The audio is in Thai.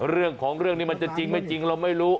เรื่องของเรื่องนี้มันจะจริงไม่จริงเราไม่รู้